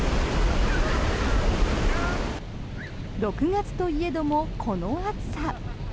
６月といえども、この暑さ。